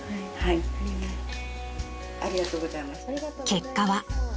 ［結果は］